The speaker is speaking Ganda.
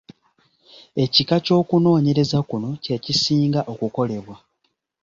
Ekika ky’okunoonyereza kuno kye kisinga okukolebwa.